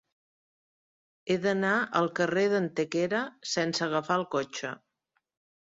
He d'anar al carrer d'Antequera sense agafar el cotxe.